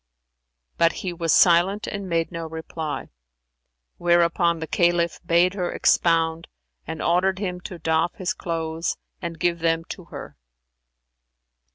But he was silent and made no reply; whereupon the Caliph bade her expound and ordered him to doff his clothes and give them to her.